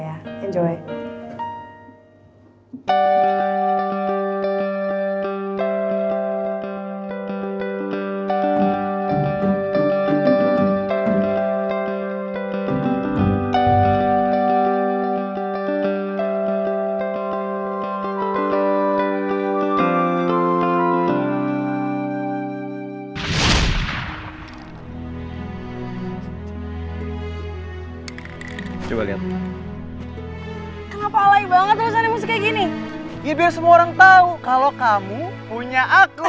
ya biar semua orang tau kalau kamu punya aku